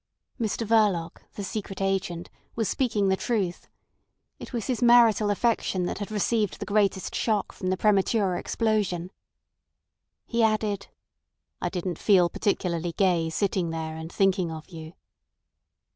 Mr Verloc, the Secret Agent, was speaking the truth. It was his marital affection that had received the greatest shock from the premature explosion. He added: "I didn't feel particularly gay sitting there and thinking of you."